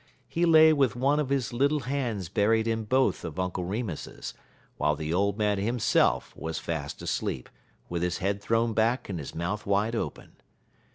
He lay with one of his little hands buried in both of Uncle Remus's, while the old man himself was fast asleep, with his head thrown back and his mouth wide open.